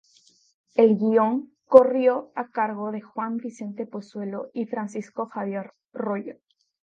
El guion corrió a cargo de Juan Vicente Pozuelo y Francisco Javier Royo.